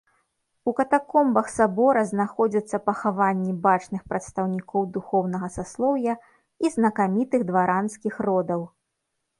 У катакомбах сабора знаходзяцца пахаванні бачных прадстаўнікоў духоўнага саслоўя і знакамітых дваранскіх родаў.